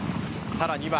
さらには。